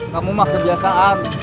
kamu mah kebiasaan